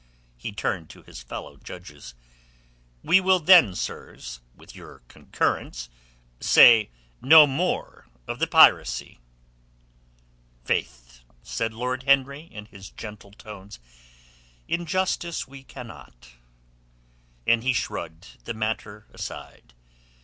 He turned to his fellow judges. "We will then, sirs, with your concurrence, say no more of the piracy." "Faith," said Lord Henry in his gentle tones, "in justice we cannot." And he shrugged the matter aside.